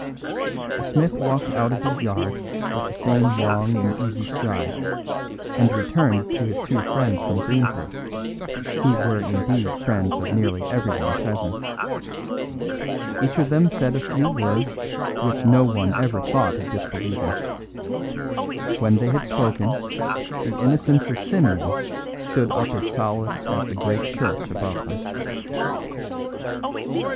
The smith walked out of his yard with the same long and easy stride, and returned to his two friends from Greenford, who were indeed friends of nearly everyone present. Each of them said a few words which no one ever thought of disbelieving. When they had spoken, the innocence of Simeon stood up as solid as the great church above them.